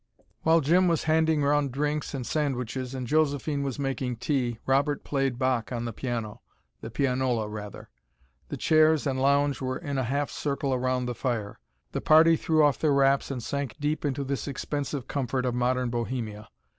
While Jim was handing round drinks and sandwiches, and Josephine was making tea, Robert played Bach on the piano the pianola, rather. The chairs and lounge were in a half circle round the fire. The party threw off their wraps and sank deep into this expensive comfort of modern bohemia.